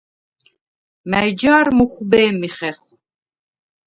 მა̈ჲ ჯა̄რ მუხვბე̄მი ხეხვ?